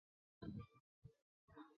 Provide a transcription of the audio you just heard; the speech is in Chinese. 没有复原的方法